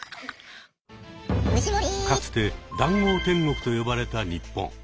かつて「談合天国」と呼ばれた日本。